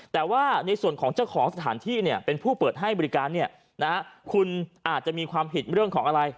แต่ว่าในส่วนของเจ้าของสถานที่เนี่ยเป็นผู้เปิดให้บริการคุณอาจจะมีความผิดเรื่องของอะไร